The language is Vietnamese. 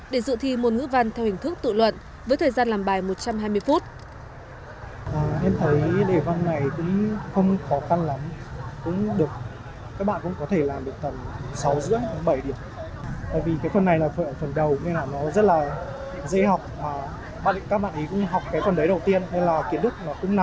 để dự thi môn ngữ văn theo hình thức tụ luận với thời gian làm bài một trăm hai mươi phút